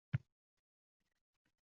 Doim og‘zimizni berkitib aksirish kerak.